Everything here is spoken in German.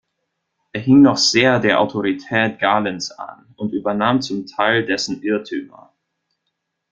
Er hing noch sehr der Autorität Galens an und übernahm zum Teil dessen Irrtümer.